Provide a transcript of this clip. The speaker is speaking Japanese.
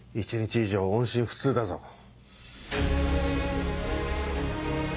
１日以上音信不通だぞ。